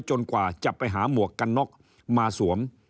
กว่าจะไปหาหมวกกันน็อกมาสวม